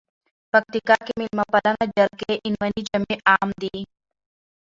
پکتیکا کې مېلمه پالنه، جرګې، عنعنوي جامي عام دي.